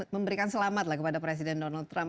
memberikan selamat lah kepada presiden donald trump